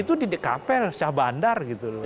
itu di kapel sah bandar gitu loh